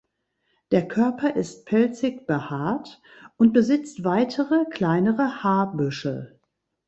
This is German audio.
Der Körper ist pelzig behaart und besitzt weitere kleinere Haarbüschel.